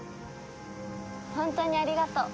本当にありがとう。